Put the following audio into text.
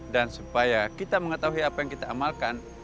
dan supaya kita mengetahui apa yang kita amalkan